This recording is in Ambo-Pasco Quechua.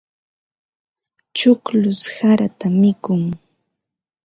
Chukllush sarata mikun.